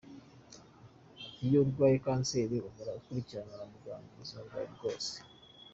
Ati “ Iyo urwaye kanseri uhora ukurikiranwa na muganga ubuzima bwawe bwose.